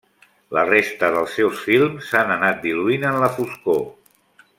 La resta dels seus films s'han anat diluint en la foscor.